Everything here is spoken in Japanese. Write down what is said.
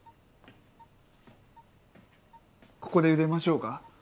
ここでゆでましょうか？